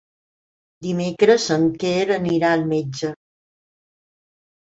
Dimecres en Quer anirà al metge.